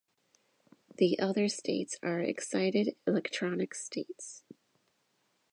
The other states are excited electronic states.